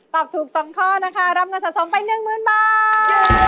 ตอบถูก๒ข้อนะคะรับเงินสะสมไป๑๐๐๐บาท